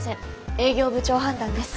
営業部長判断です。